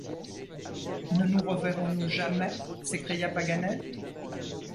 Ne nous reverrons-nous jamais? s’écria Paganel.